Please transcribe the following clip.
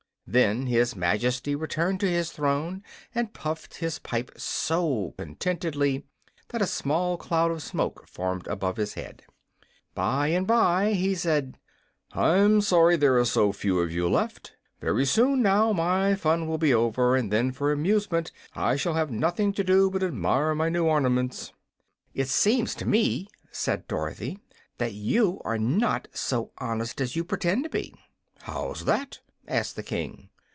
Then his Majesty returned to his throne and puffed his pipe so contentedly that a small cloud of smoke formed above his head. Bye and bye he said: "I'm sorry there are so few of you left. Very soon, now, my fun will be over, and then for amusement I shall have nothing to do but admire my new ornaments." "It seems to me," said Dorothy, "that you are not so honest as you pretend to be." "How's that?" asked the King.